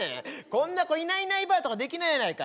こんな子いないいないばあとかできないやないか。